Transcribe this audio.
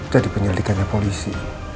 jadi penyelidikannya polisi